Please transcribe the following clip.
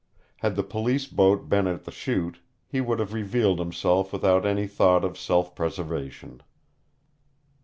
Had the police boat been at the Chute, he would have revealed himself without any thought of self preservation.